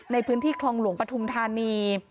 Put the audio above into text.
ในพื้นที่คลองหลวงปฐุมธานี